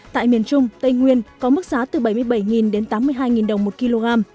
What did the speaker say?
tại miền trung tây nguyên có mức giá từ bảy mươi bảy đến tám mươi hai đồng một kg